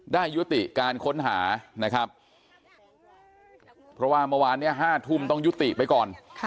ยุติการค้นหานะครับเพราะว่าเมื่อวานนี้๕ทุ่มต้องยุติไปก่อน